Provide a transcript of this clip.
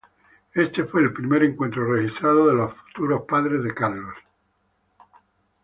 Este fue el primer encuentro registrado de los futuros padres de Carlos.